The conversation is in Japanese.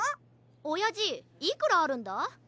おやじいくらあるんだ？